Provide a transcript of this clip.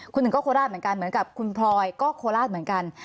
คุณหนึ่งก็โคราชเหมือนกันเหมือนกับคุณพลอยก็โคราชเหมือนกัน